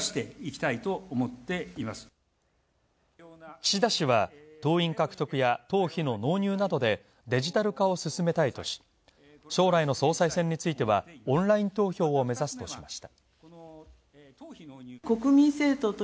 岸田氏は、党員獲得や党費の納入などでデジタル化をすすめたいとし、将来の総裁選についてはオンライン投票を目指すとしました。